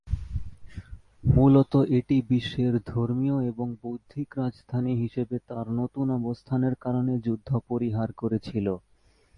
মূলত এটি বিশ্বের ধর্মীয় এবং বৌদ্ধিক রাজধানী হিসাবে তার নতুন অবস্থানের কারণে যুদ্ধ পরিহার করেছিল।